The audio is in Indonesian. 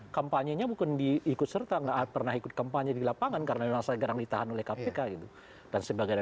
kampanyenya bukan diikut serta nggak pernah ikut kampanye di lapangan karena merasa jarang ditahan oleh kpk gitu dan sebagainya